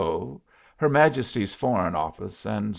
Her Majesty's Foreign Office, etc.